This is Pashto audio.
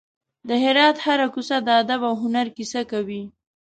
د هرات هره کوڅه د ادب او هنر کیسه کوي.